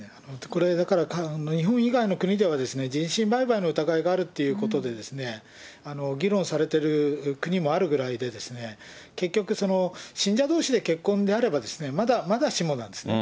これ、だから日本以外の国では人身売買の疑いがあるっていうことで、議論されてる国もあるぐらいで、結局信者どうしで結婚であれば、まだしもなんですね。